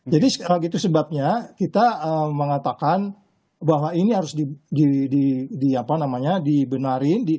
jadi segitu sebabnya kita mengatakan bahwa ini harus dibenarin